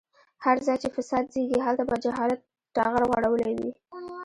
هر ځای چې فساد زيږي هلته به جهالت ټغر غوړولی وي.